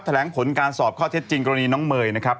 แถลงผลการสอบข้อเท็จจริงกรณีน้องเมย์นะครับ